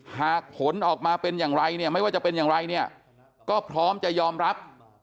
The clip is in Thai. ผลออกมาเป็นอย่างไรเนี่ยไม่ว่าจะเป็นอย่างไรเนี่ยก็พร้อมจะยอมรับ